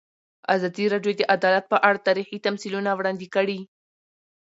ازادي راډیو د عدالت په اړه تاریخي تمثیلونه وړاندې کړي.